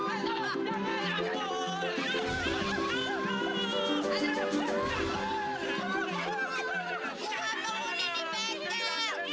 buangan buka lumayan di sini